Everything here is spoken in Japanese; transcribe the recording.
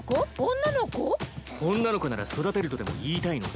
女の子なら育てるとでも言いたいのか。